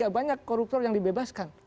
banyak koruptor yang dibebaskan